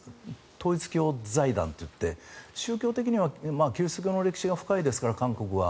統一教財団といって宗教的にはキリスト教の歴史が深いですから、韓国が。